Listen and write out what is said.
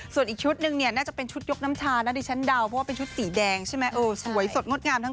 ส่วนอีกชุดนึงเนี่ยน่าจะเป็นชุดยกน้ำชานาฏิชันดาวน์